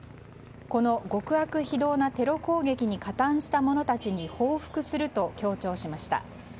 この極悪非道なテロ攻撃に加担した者たちに報復すると強調しました。